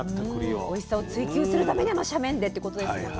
うんおいしさを追求するためにあの斜面でってことですもんね。